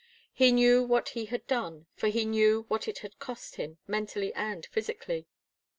He knew what he had done, for he knew what it had cost him, mentally and physically.